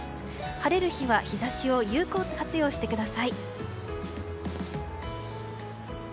晴れる日は日差しを有効活用してください。